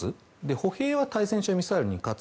歩兵は対戦車ミサイルに勝つ。